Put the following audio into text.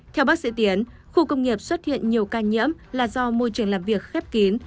theo bác sĩ tiến khu công nghiệp xuất hiện nhiều ca nhiễm là do môi trường làm việc khép kín